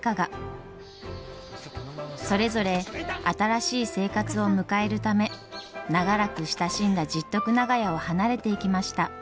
それぞれ新しい生活を迎えるため長らく親しんだ十徳長屋を離れていきました。